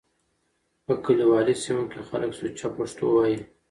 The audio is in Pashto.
په کليوالو سيمو کې خلک سوچه پښتو وايي.